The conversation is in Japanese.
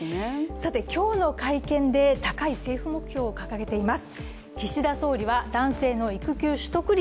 今日の会見で高い政府目標を掲げています。